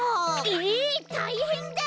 えったいへんだ！